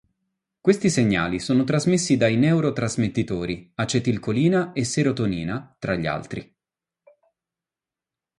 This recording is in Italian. Questi segnali sono trasmessi dai neurotrasmettitori, acetilcolina e serotonina, tra gli altri.